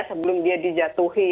sebelum dia dijatuhi